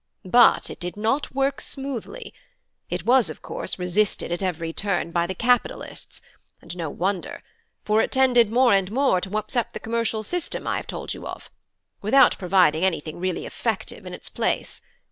But it did not work smoothly; it was, of course, resisted at every turn by the capitalists; and no wonder, for it tended more and more to upset the commercial system I have told you of; without providing anything really effective in its place.